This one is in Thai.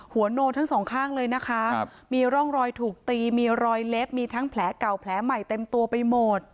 โนทั้งสองข้างเลยนะคะมีร่องรอยถูกตีมีรอยเล็บมีทั้งแผลเก่าแผลใหม่เต็มตัวไปหมด